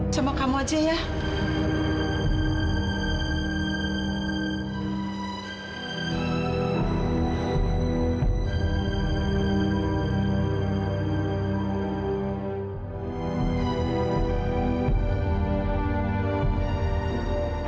sampai jumpa sekarang